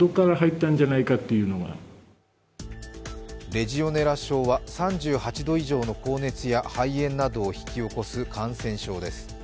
レジオネラ症は３８度以上の高熱や肺炎などを引き起こす感染症です。